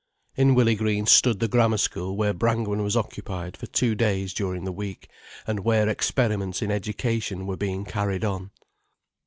In Willey Green stood the Grammar School where Brangwen was occupied for two days during the week, and where experiments in education were being carried on.